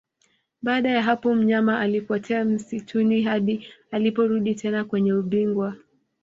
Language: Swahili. Baada ya hapo mnyama alipotea msituni hadi aliporudi tena kwenye ubingwa